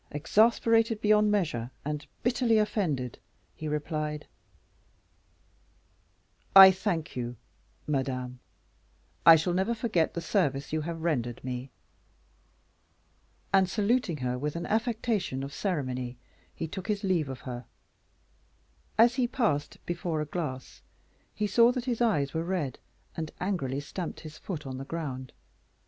Exasperated beyond measure, and bitterly offended, he replied: "I thank you, Madame; I shall never forget the service you have rendered me." And, saluting her with an affectation of ceremony, he took his leave of her. As he passed before a glass, he saw that his eyes were red, and angrily stamped his foot on the ground.